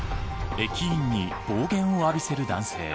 駅員に暴言を浴びせる男性。